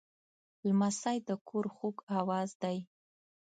لمسی د کور خوږ آواز دی.